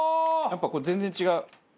やっぱこれ全然違う。